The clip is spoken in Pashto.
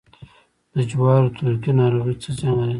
د جوارو تورکي ناروغي څه زیان لري؟